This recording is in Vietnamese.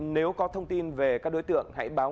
nếu có thông tin về các đối tượng hãy báo